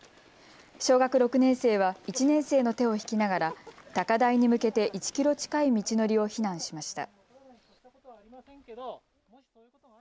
小学６年生は１年生の手を引きながら高台に向けて１キロ近い道のりを避難しました。